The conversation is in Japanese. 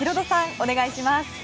お願いします。